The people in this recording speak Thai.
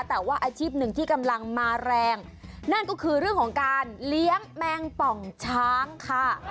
แต่ว่าอาชีพหนึ่งที่กำลังมาแรงนั่นก็คือเรื่องของการเลี้ยงแมงป่องช้างค่ะ